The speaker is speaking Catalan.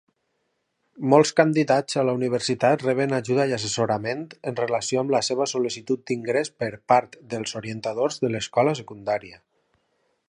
Molts candidats a la universitat reben ajuda i assessorament en relació amb la seva sol.licitud d'ingrés per part dels orientadors de l'escola secundària.